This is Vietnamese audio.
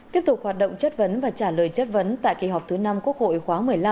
tiếp tục hoạt động chất vấn và trả lời chất vấn tại kỳ họp thứ năm quốc hội khóa một mươi năm